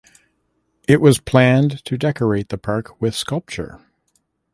It was planned to decorate the park with sculpture.